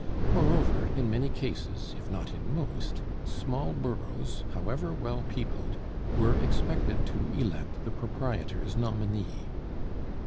Moreover in many cases, if not in most, small boroughs, however well peopled, were expected to elect the proprietor's nominee.